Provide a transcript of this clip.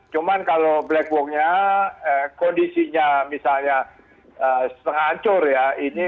cuman kalau black boxnya kondisinya misalnya setengah ancur ya